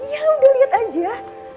ya udah lihat aja